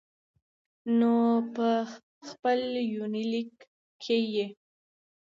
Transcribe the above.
نو په خپل يونليک کې يې